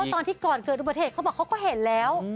เพราะตอนที่ก่อนเกิดอุปเทศเขาบอกเขาก็เห็นแล้ว